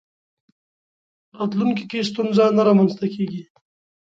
راتلونکي کې ستونزه نه رامنځته کېږي.